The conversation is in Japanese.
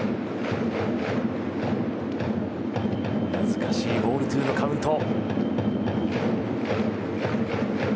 難しいボールツーのカウント。